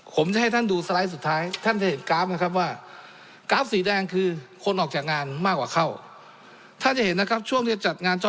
ผมจะให้ท่านดูสไลด์สุดท้ายท่านจะเห็นกราฟนะครับว่ากราฟสีแดงคือคนออกจากงานมากเท่า